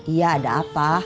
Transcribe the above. iya ada apa